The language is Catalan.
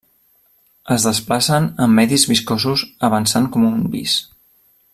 Es desplacen en medis viscosos avançant com un vis.